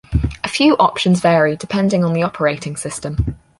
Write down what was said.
A few options vary depending on the operating system.